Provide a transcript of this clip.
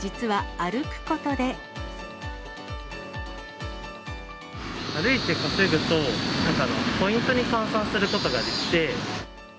歩いて稼ぐと、なんかポイントに換算することができて。